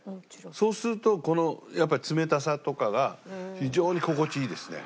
そうするとこのやっぱり冷たさとかが非常に心地いいですね。